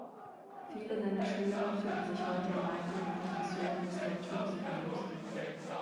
Viele seiner Schüler finden sich heute in leitenden Positionen des deutschen Musiklebens.